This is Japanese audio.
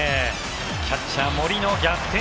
キャッチャー、森の逆転